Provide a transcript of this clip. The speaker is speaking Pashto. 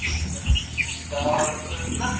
ایا ته غواړې چي ستا په ژوند کي برکت راسي؟